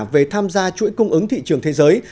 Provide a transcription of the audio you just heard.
về tham gia chuỗi cung ứng thị trường thế giới